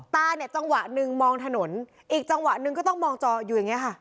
ตาเนี่ยจังหวะหนึ่งมองถนนอีกจังหวะหนึ่งก็ต้องมองจออยู่อย่างเงี้ค่ะ